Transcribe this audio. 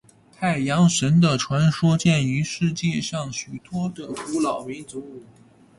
太阳神的传说见于世界上许多的古老民族。